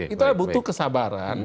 kita butuh kesabaran